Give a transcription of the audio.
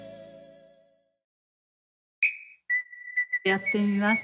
やってみます